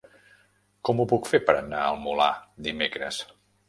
Com ho puc fer per anar al Molar dimecres?